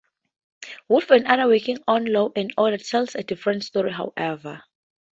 Wolf and others working on "Law and Order" tell a different story, however.